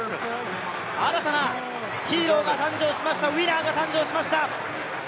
新たなヒーローが誕生しました、ウィナーが誕生しました！